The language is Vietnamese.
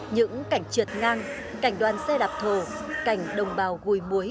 những cảnh trượt ngang cảnh đoàn xe đạp thổ cảnh đồng bào gùi muối